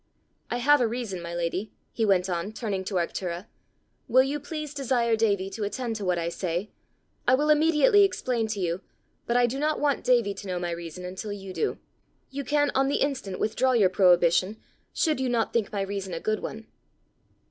I have a reason, my lady," he went on, turning to Arctura: "will you, please, desire Davie to attend to what I say. I will immediately explain to you, but I do not want Davie to know my reason until you do. You can on the instant withdraw your prohibition, should you not think my reason a good one."